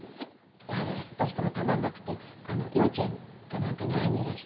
「やはりどうしてもたまんなくて幼稚園かなんかに会いにいらした？」